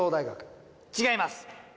違います。